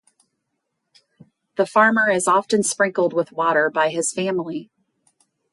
The farmer is often sprinkled with water by his family.